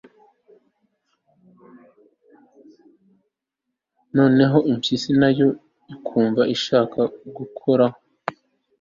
noneho impyisi nayo ikumva ishaka gukoraho